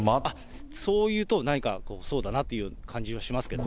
そういうと、何かそうだなという感じがしますけどね。